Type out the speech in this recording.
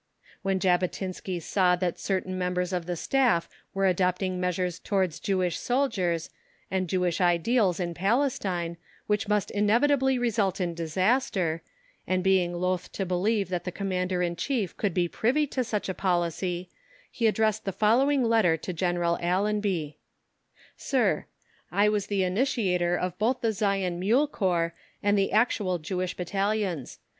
When Jabotinsky saw that certain members of the Staff were adopting measures towards Jewish soldiers, and Jewish ideals in Palestine, which must inevitably result in disaster, and being loth to believe that the Commander in Chief could be privy to such a policy, he addressed the following letter to General Allenby. SIR, I was the initiator of both the Zion Mule Corps and the actual Jewish Battalions.